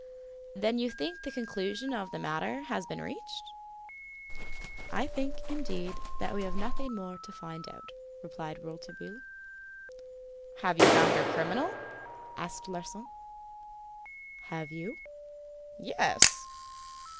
"Then you think the conclusion of the matter has been reached?" "I think, indeed, that we have nothing more to find out," replied Rouletabille. "Have you found your criminal?" asked Larsan. "Have you?" "Yes."